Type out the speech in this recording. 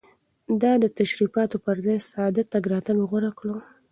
ده د تشريفاتو پر ځای ساده تګ راتګ غوره کړ.